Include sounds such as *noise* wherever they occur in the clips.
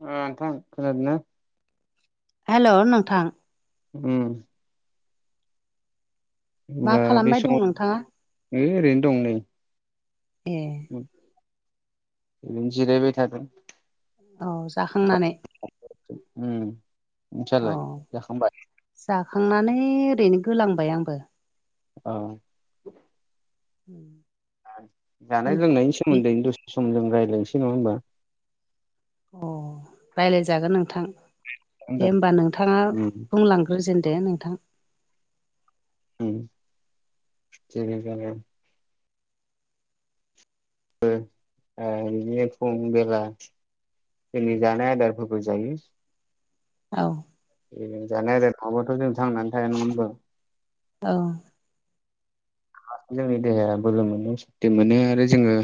*unintelligible* नोंथां खोनादोंना हेलौ नोंथां उम मा होनबा बे खालामबाय दं नोंथाङा समाव ओरैनो दं नै ए बिदिनो जिरायबाय थादों। औ जाखांनानै उम औ नोंसालाय जाखांबाय जाखांनानै ओरैनो गोलांबाय आंबो औ उम जानाय लोंनायनि सोमोन्दैनो दसे सम जों रायज्लायनोसै नङा होमबा अ राय्लायजागोन नोंथां दे नोंथां हबा नोंथाङा उम बुंलां बुंजेन दो नोंथां उम जोंनि गामियाव ओ बिदिनो फुं बेला जोंनि जानाया आदारफोरखौ जों औ ए जानाय आदार नाबाथ' जों थांनानै थाया होनबा औ *unintelligible* देहाया बोलो मोनो सक्ति मोनो आरो जोङो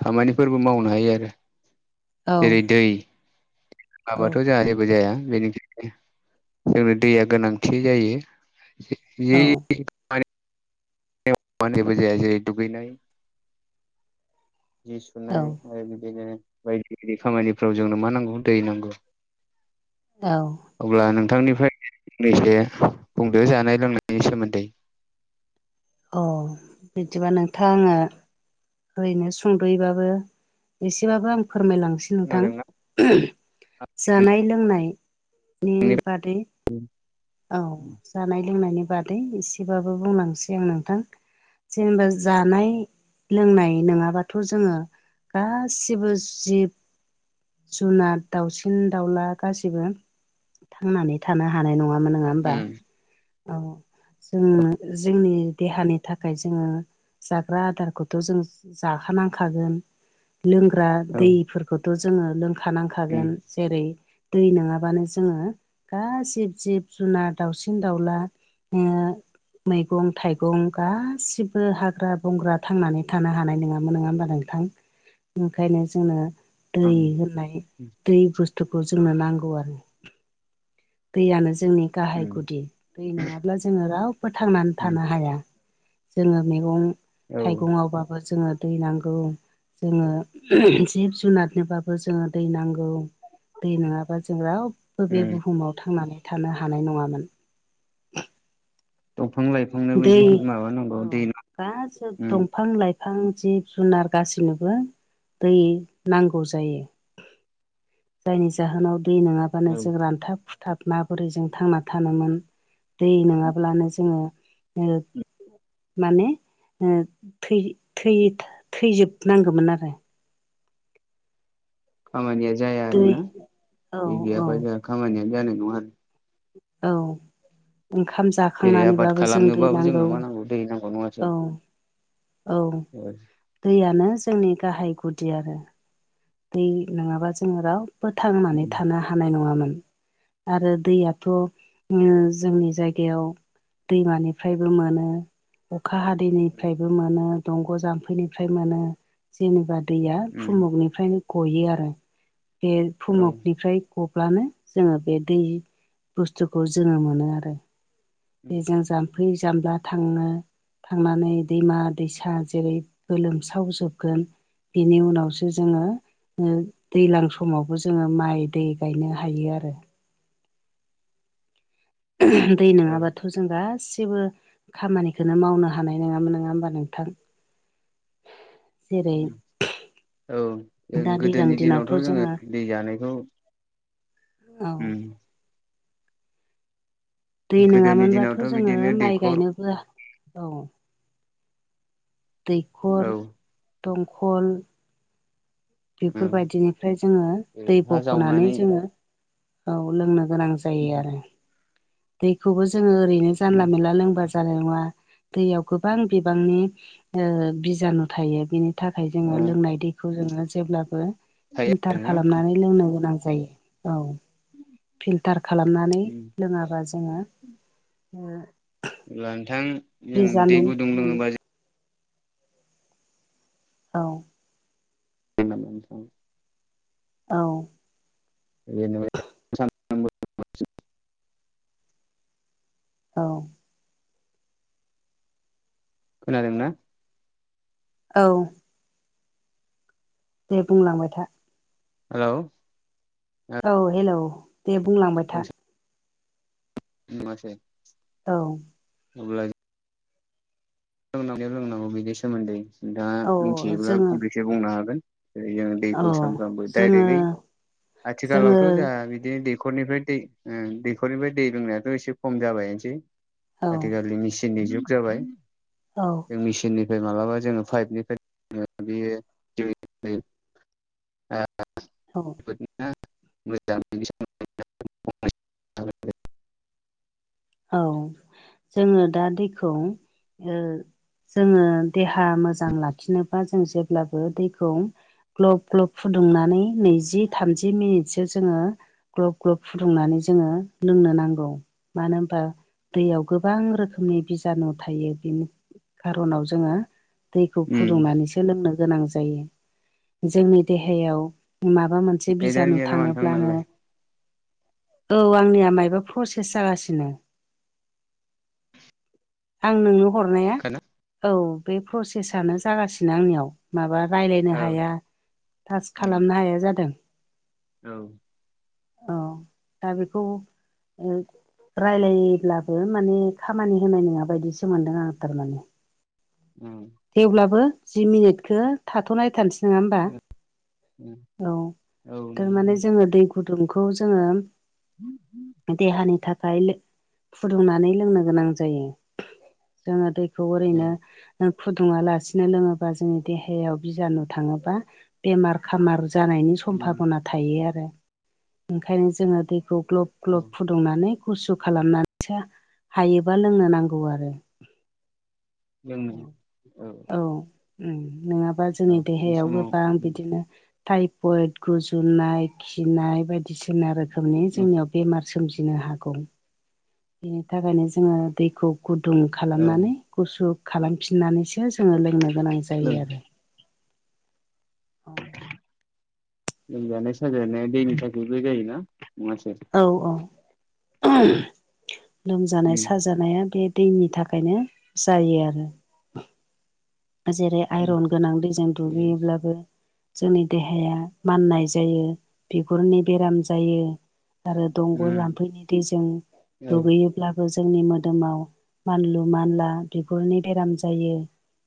खामानिफोरबो मावनो हायो आरो औ जेरै दै हाबाथ' जोंहा जेबो जाया बेनिखाय जोंनो दैया गोनांथि जायो *inaudible* औ *unintelligible* जाया जेरै दुगैनाय जि सुनाय आरो बिदिनो बायदि बायदि खामानिफ्राव जोंनो मा नांगौ दै नांगौ औ अब्ला नोंथांनिफ्राय फंनैसो बुंदो जानाय लोंनायनि सोमोन्दै अ बिब्दिबा नोंथां आङो ओरैनो सुंद'यै बाबो एसेबाबो आं फोरमायलांनोसै खोनादोंना नोंथां जानाय लोंनायनि बादै औ जानाय लोंनायनि बादै एसेबाबो बुंलांसै आं नोंथां जेनेबा जानाय लोंनाय नङाबाथ' जोङो गासिबो जिब जुनार दाउसिन दाउला गासिबो थांनानै थानो हानाय नङामोन। नङा होमबा औ जों जोंनि देहानि थाखाय जोङो जाग्रा आदारखौथ' जों जाखानांखागोन लोंग्रा औ दैफोरखौथ' जोङो लोंखानांखागोन जेरै दै नङाबानो जोङो गासिब जिब जुनार दाउसिन दावला‌ *unintelligible* मैगं थाइगं गासिबो हाग्रा बंग्रा थांनानै थानो हानाय नङामोन नङा होमबा नों थां ओंखायनो जोंनो दै होननाय दै बुस दैखौ जोंनो नांगौ आरो दैयानो जोंनि गाहाय गुदि दै नङाबा थ ब्ला जोङो रावबो थांनानै थानो हाया जोङो मेगं औ थाइगङाव बाबो जोङो दै नांगौ जोङो जिब जुनारनो बाबो जोङो दै नांगौ दै नङाबा जों राव बबे बुहुमाव थांनानै थानो हानाय नङामोन दंफां लाइफां दै औ गासैबो दंफां लाइ फां जिब जुनार गासिबनोबो दै नांगौ जायो जायनि जाहोनाव दै नङा औ जों रानथाब खुथाब मा बोरै जों थांना थानोमोन दै नङाब्लानो जोङो *unintelligible* माने ओ थै-थै थैजोबनांगौमोन आरो खामानिया जाया आरो दै ना औ बे दै औ गैयाबा जोंहा खामानियानो जानाय नङा आरो औ ओंखाम जा जेरै आबाद खालामनोबाबो जोंनो मा नांगौ दै नांगौ नङा? औ औ *inaudible* दैयानो जोंनि गाहाय गुदि आरो दै नङाबा जोङो रावबो थांनानै उम थानो हानाय नङामोन आरो दैयाथ' जोंनि जायगायाव दैमानिफ्रायबो मोनो अखा हादैनिफ्रायबो मोनो दंग' जाम्फैनिफ्राय मोनो। जेनेबा दैया उम फुमुगनिफ्रायनो गयो आरो बे औ फुमुगनिफ्राय गब्लानो जोङो बे दै बुस्थुखौ जोङो मोनो आरो बेजों जाम्फै जामला थाङो। थांनानै दैमा दैसा जेरै गोलोमसाव जोबगोन बेनि उनावसो जोङो दैज्लां समावबो जोङो माइ दै गायनो हायो आरो दै औ नङाबाथ' थ' जों गासिबो खामानिखौनो मावनो हानाय नङामोन नङा होम्बा नोंथां? जेरै औ जों गोदोनि दिनावथ' जोङो दै जानायखौ औ उम दै नङा गोदोनि दिनावथ' मोनबाथ' जोङो बिदिनो माइ दैखर गायनोबो औ औ दैखर दंखल बेफोर उम बायदिनिफ्राय जोङो जेरै दै हा बख'नानै जावनानै जोङो औ लोंनो गोनां जायो। ज दैखौबो जोङो ओरैनो जानला मानला लोंब जानाय नङा दैयाव गोबां बिबांनि बिजानु थायो बिनि नि थाखाय ओ जोङो लोंनाय दैखौ जोङो जेब्लाबो थायो फिल्टार आरोना खालामनानै लोंनो गोनां जायो औ। फिल्टार खालामनानै उम लोङाब्ला जोङो लांथां जों बिजानु दै गुदुं मोन लोङोबा जों औ *unintelligible* औ बेनो औ खोनादों ना? औ दे बुंलांबाय था औ औ हेल' दे बुंलांबाय था *unintelligible* औ अ लोंनांगौ लोंनांगौ बिनि सोमोन्दै दा औ मिथियोब्ला जोङो फंनैसो बुंनो हागोनै जोंङ औ दैखौ सानफ्रामबो जोङो डाइरेक्टै आथिखालावथ' जोङो जोंहा बिदिनो दै दैखरनिफ्राय दै दैखरनिफ्राय दै लोंनायाथ' एसे खम जाबायनोसै औ आथिखालिनि मेचिननि जुग जाबाय औ जों मेसिननिफ्राय माब्लाबा जोङो पाइपनिफ्राय बेयो *unintelligible* औ *unintelligible* मोजां औ जोङो दा दैखौ ओ जोङो देहा मोजां लाखिनोबा जों जेब्लाबो दैखौ ग्लब ग्लब फुदुंनानै नैजि थामजि मिनिटसो जोङो ग्लब ग्लब फुदुंनानै जोङो लोंनो नांगौ मानो बा दैयाव गोबां रोखोमनि बिजानु थायो बेनि खार'नाव जोङो। दैखौ फुदुंनानैसो लोंनो गोनां जायो जोंनि देहायाव माबा मोनसे नेदानो बिजानु गैया नामा नोंथां थाङोब्लानो नालाय औ आंनिया मायबा प्रसेस जागासिनो आं नोंनो हरनाया औ औ बे प्रसेसानो जागासिनो आंनियाव माबा रायलायनो औ हाया तास्क खालामनो हाया जादों औ औ *inaudible* दा बेखौ ओ रायलायोब्लाबो माने खामानि होनाय नङा बायदिसो मोनदों आं थारमाने उम दे वब्लाबो जि मिनिटखो थाथ'नाय थारनोस नङा होमबा औ नंगौ थारमाने जोङो दै गुदुंखौ जोङो *unintelligible* देहानि थाखाय लो फुदुंनानै लोंनो गोनां जायो जोङो दैखौ औ ओरैनो फुदुङा लासिनो लोङोबा जोंनि देहायाव बिजानु थाङोबा बेमार खामार जानायनि समभाबना थायो आरो ओंखायनो जोङो दैखौ ग्लब औ ग्लब फुद दुंनानै गुसु खालामनानैसो हायोबा लोंनो नांगौ आरो लोङो औ औ उम नङाबा औ जोंनि बे देहायाव समाव गोबां बिदिनो टाइफयद गुजुनाय खिनाय बायदिसिना रोखोमनि औ जोंनियाव बेमार सोमजिनो हागौ बेनि थाखायनो जोङो दैखौ गुदुं खालामनानै गुसु खालामफिननानैसो जोङो लोंनो गोनां लों जायो आरो औ लोमजानाय साजानाया दैनि थाखायबो जायोना नङासै औ औ *unintelligible* लोमजानाय उम साजानाया बे दैनि थाखायनो जायो आरो जेरै उम आइरन गोनां दैजों दुगैयोब्लाबो जोंनि देहाया माननाय जायो बिगुरनि बेराम जायो आरो दंग' उम जाम्फैनि दैजों औ दुगैयो ब्लाबो जोंनि मोदोमाव मानलु मानला बिगुरनि बेराम जायो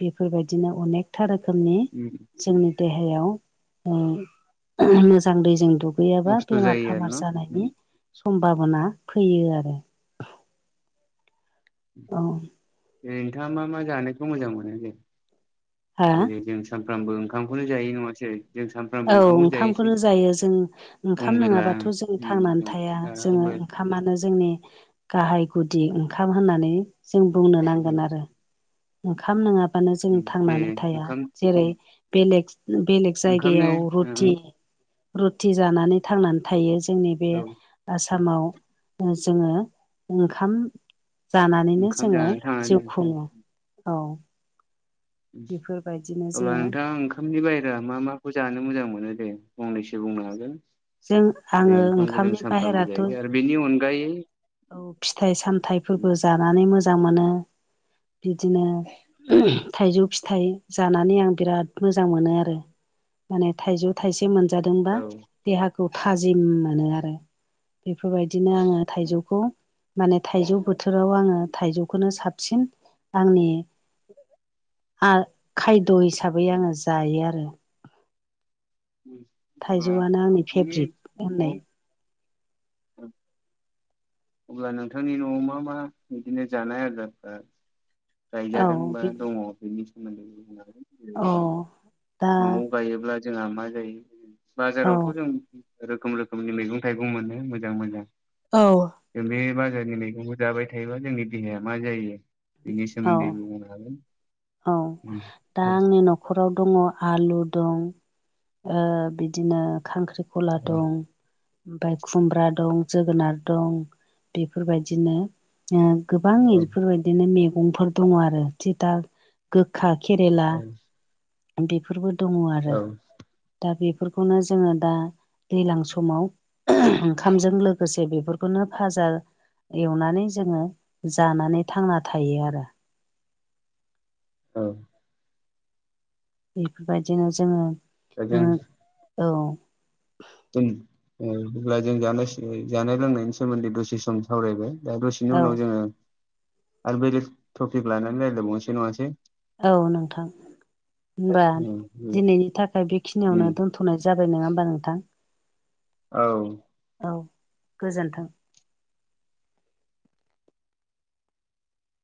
बेफोरबायदिनो अनेकथा रोखोमनि उम जोंनि देहायाव ओ मोजां दैजों दुग गैयाबा नस्थ' बेमार जायो आरो न खामार जानायनि उम सम्भाबना फैयो आरो औ दे नोंथाङा मा मा जानायखौ मोजां मोनो दे हा जों सानफ्रामबो ओंखामखौनो जायो नङासै? जों सानफ्रामबो औ जायोसै ओंखामखौनो जायो जों फुं ओंखाम बेला नङाबाथ' जों थांनानै थाया जोङो खामानो जोंनि गाहाय गुदि ओंखाम होननानै जों बुंनो नांगोन आरो ओंखाम नङा बानो जोंङो जे थांनानै थाया ओंखाम जेरै बेलेग-बेलेग जायग ओंखामनो गायाव ओ रुटि-रुथि जानानै थांनानै थायो जोंनि बे औ आसामाव जोङो ओंखाम जानानैनो ओंखाम जोङो जानानै जिउ खुङो थांनानै औ उम बेफोरबायदिनो अब्ला जोङो नोंथां ओंख ओंखामनि बाहेरा मा माखौ जानो मोजां मोनो दे फंनैसो बुंनो हागोन जों जेरै आङो ओंखामखौ जों ओंखामनि सानफ्रामबो बाहेराथ' जायो आरो बेनि अनगायै औ फिथाइ सामथाइफोरबो जानानै मोजां मोनो बिदिनो *unintelligible* थाइजौ फिथाइ जानानै आं बिराद मोजां मोनो आरो माने थाइजौ थाइसे मोनजादोंबा औ अब्ला देहाखौ थाजिम मोनो आरो बेफोरबायदिनो आङो थाइजौ माने थाइजौ बोथोराव आङो थाइजौखौनो साबसिन आंनि आं खायद' हिसाबै आङो जायो आरो। थाइजौआनो आंनि फेभ्रिट होननाय *unintelligible* अब्ला नोंथांनि न'आव मा मा बिदिनो जानाय आदार ओ औ गायजादों बा दङ बेनि सोमोन्दै बुंनो हागोन। अ दा बायोब्ला जोंहा मा जायो औ बाजारावथ' जों रोखोम रोखोमनि मैगं थाइगं मोनो मोजां मोजां औ। जों बे बाजारनि मैगंखौ जाबाय थायोबा जोंनि देहाया मा जायो बिनि औ सोमोन्दै बुंनो हागोन। औ दा औ आंनि न' खराव दङ आलु दं ओ बिदिनो खांख्रि खला दं ओमफ्राय खुमब्रा दं जोगोनार दं बेफोरबायदिनो ओं गोबां औ इफोरबायदिनो मैगंफोर दङ आरो थिग दा गोखा खेरेला बेफोरबो दङ औ आरो। दा बेफोरखौनो जोङो दा दैज्लां समाव ओंखामजों लोगोसे बेफोरखौनो भाजा एवनानै जोङो जानानै थांना थायो आरो। औ। बेफोरबायदिनो जोङो दा जों ओ औ। जों ओ अब्ला जानाय जानाय लोंनायनि सोमोन्दै दसे सम सावरायबाय दा औ दसेनि उनाव जोङो आरो बेलेक टपिक लानानै रायज्लायबावनोसै नङासै। औ नोंथां होनबा उम दिनैनि थाखाय उम बेखिनियावनो दोन दोनथ'नाय जाबाय नङा होमबा नोंथां। औ। औ गोजोन्थों।